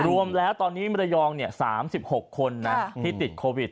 รวมแล้วตอนนี้มรยอง๓๖คนที่ติดโควิด